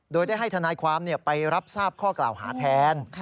โดยได้ให้ทนายความไปรับทราบข้อกล่าวหาแทน